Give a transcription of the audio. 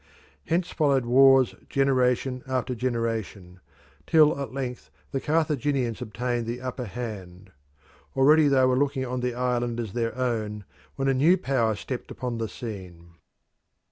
Hence followed wars generation after generation, till at length the Carthaginians obtained the upper hand. Already they were looking on the island as their own when a new power stepped upon the scene.